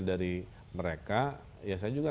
dari mereka ya saya juga